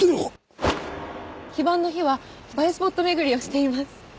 非番の日は映えスポット巡りをしています。